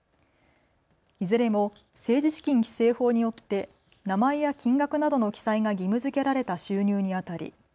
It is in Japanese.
いずれも政治資金規正法によって名前や金額などの記載が義務づけられた収入にあたり